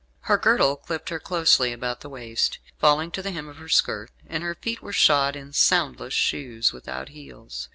Her girdle clipped her closely about the waist, falling to the hem of her skirt, and her feet were shod in soundless shoes, without heels.